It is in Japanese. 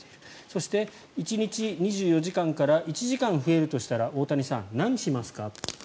そして１日２４時間から１時間増えるとしたら大谷さん、何をしますか。